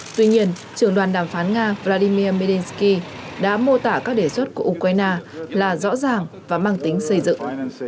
tuy nhiên trường đoàn đàm phán nga vladimir melsky đã mô tả các đề xuất của ukraine là rõ ràng và mang tính xây dựng